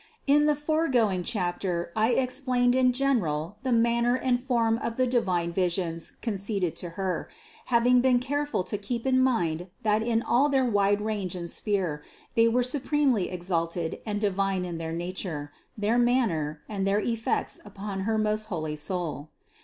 And in the fore going chapter I explained in general the manner and form of the divine visions conceded to Her, having been careful to keep in mind that in all their wide range and sphere they were supremely exalted and divine in their nature, their manner, and their effects upon her most holy soul.